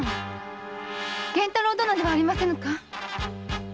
源太郎殿ではありませぬか？